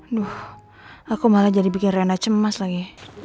aduh aku malah jadi bikin renda cemas lagi